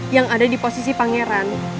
yang ada di posisi pangeran